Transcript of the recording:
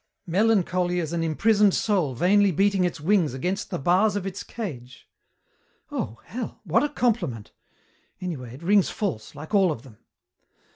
"melancholy as an imprisoned soul vainly beating its wings against the bars of its cage." "Oh, hell! What a compliment. Anyway, it rings false, like all of them."